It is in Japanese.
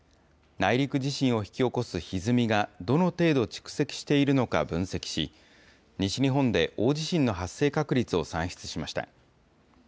内陸地震を引き起こすひずみがどの程度蓄積しているのか分析し、西日本で大地震の発生確率を算出しました。